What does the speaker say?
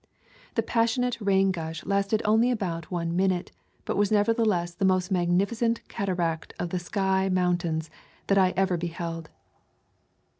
The passionate rain gush lasted only about one min ute, but was nevertheless the most magnifi cent cataract of the sky mountains that I ever beheld.